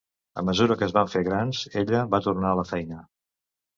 A mesura que es van fer grans, ella va tornar a la feina.